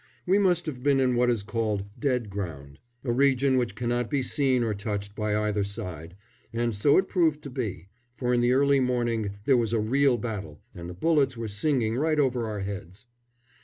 We must have been in what is called "dead ground," a region which cannot be seen or touched by either side, and so it proved to be, for in the early morning there was a real battle and the bullets were singing right over our heads.